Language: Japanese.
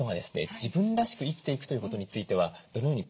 自分らしく生きていくということについてはどのように？